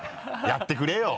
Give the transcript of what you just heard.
やってくれよ。